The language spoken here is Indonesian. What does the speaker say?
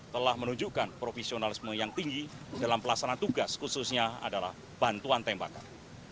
telah menunjukkan profesionalisme yang tinggi dalam pelaksana tugas khususnya adalah bantuan tembakan